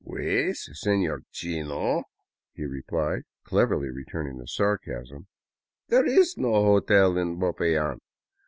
'' Pues, Senor Chino," he replied, cleverly returning the sarcasm, There is no hotel in Popayan.